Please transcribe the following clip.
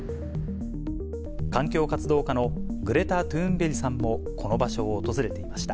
環境活動家のグレタ・トゥーンベリさんも、この場所を訪れていました。